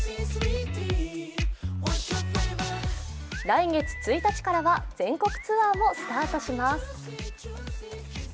来月１日からは全国ツアーもスタートします。